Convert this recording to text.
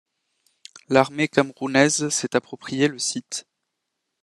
L'armée Camerounaise s'est appropriée le site.